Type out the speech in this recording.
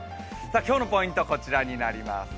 今日のポイントはこちらになります。